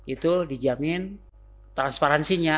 itu dijamin transparansinya